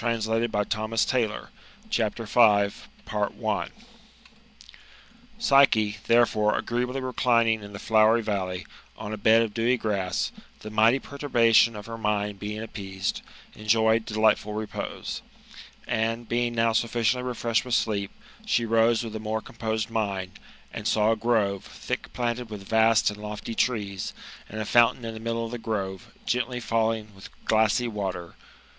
THE METAMORPHOSIS OF APULEIUS. BOOK THE FIFTH. Psychs, therefore, ngreeably reclining in the flowery valley, on a l>ed of ddvy grass, the mighty perturbation of her mind beii:i\g appeased, enjoyed delightful repose, And, being now sufficiently refreshed with sleep, she rose with a more compos^4 mind, and saw a grove, thick planted with vast and lofty trees, and a ' fettntaio in the middle of the grove, gently Calling with glassy water.